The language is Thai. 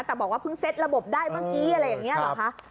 แต่บอกว่าเพิ่งเซ็ตระบบได้เมื่อกี้อะไรอย่างนี้หรอคะ